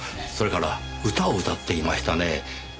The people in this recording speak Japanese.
それから歌を歌っていましたね。